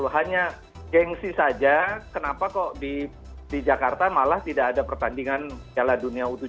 hanya gengsi saja kenapa kok di jakarta malah tidak ada pertandingan piala dunia u tujuh belas